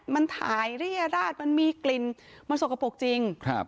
มันถ่ายเรียราชมันมีกลิ่นมันสกปรกจริงครับ